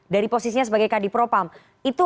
dari posisinya sebagai kadipropam itu